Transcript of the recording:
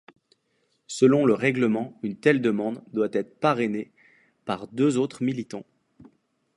Selon le règlement, une telle demande doit être parrainée par deux autres militants.